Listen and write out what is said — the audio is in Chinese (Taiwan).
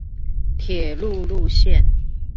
鐵路路線